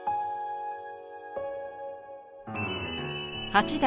八代